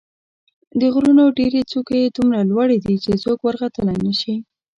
د غرونو ډېرې څوکې یې دومره لوړې دي چې څوک ورختلای نه شي.